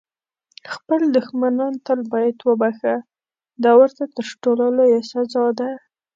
خپل دښمنان تل باید وبخښه، دا ورته تر ټولو لویه سزا ده.